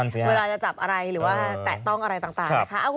เวลาจะจับอะไรหรือว่าแตะต้องอะไรต่างนะคะ